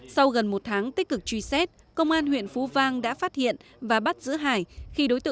sau gần một tháng tích cực truy xét công an huyện phú vang đã phát hiện và bắt giữ hải